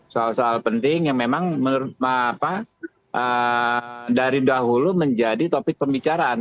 soal soal penting yang memang dari dahulu menjadi topik pembicaraan